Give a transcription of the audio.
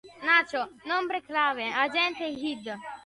Nacho: Nombre clave: Agente Id.